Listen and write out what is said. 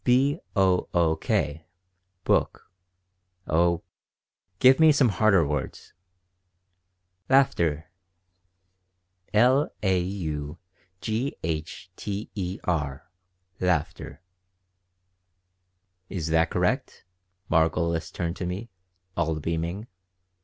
"B o o k book. Oh, give me some harder words." "Laughter." "L a u g h t e r laughter." "Is that correct?" Margolis turned to me, all beaming.